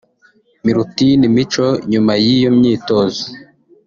Milutin Micho nyuma y’iyo myitozo